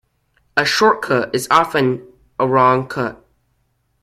A short cut is often a wrong cut.